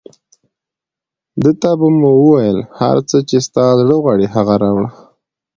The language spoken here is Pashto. ده ته به مو ویل، هر څه چې ستا زړه غواړي هغه راوړه.